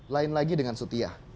lain lagi dengan sutiyah